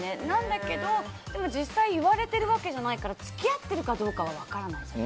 だけど実際言われてるわけじゃないから付き合っているかどうかは分からない。